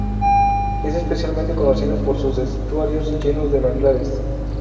Es especialmente conocida por sus estuarios llenos de manglares.